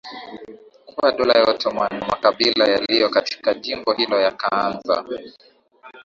kuwa Dola ya Ottoman na makabila yaliyo katika jimbo hili yakaanza